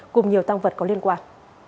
cùng nhiều tăng vật có liên quan